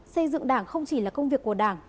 xây dựng đảng không chỉ là công việc của đảng